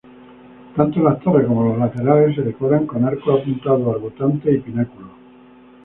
Tanto las torres como los laterales se decoran con arcos apuntados, arbotantes y pináculos.